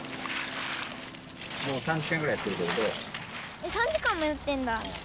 えっ３時間もやってんだ。